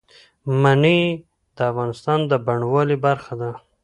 منی د افغانستان د بڼوالۍ برخه ده.